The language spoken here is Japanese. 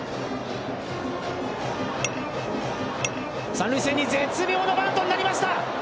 三塁線に絶妙なバントになりました。